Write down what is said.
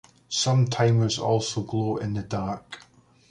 Some timers also glow in the dark.